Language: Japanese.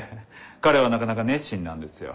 彼はなかなか熱心なんですよ。